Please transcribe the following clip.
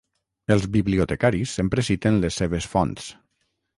Els bibliotecaris sempre citen les seves fonts.